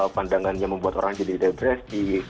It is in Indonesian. pandangannya membuat orang jadi depresi